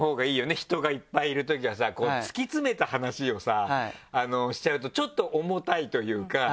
人がいっぱいいるときはさ突き詰めた話をしちゃうとちょっと重たいというかなっちゃう。